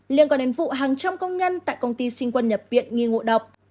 liên quan đến vụ hàng trăm công nhân tại công ty sinh quân nhập viện nghi ngộ độc